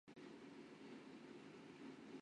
日本则觊觎吞并朝鲜。